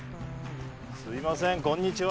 すいませんこんにちは。